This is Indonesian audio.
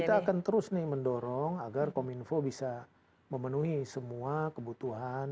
benar dan kita akan terus mendorong agar kominfo bisa memenuhi semua kebutuhan